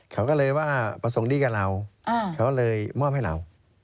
เขาก็เลยว่าประสงค์ดีกว่าเรา